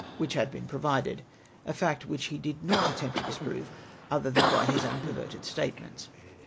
which had been provided — a fact which he did not attempt to disprove otherwise than by his own perverted statements.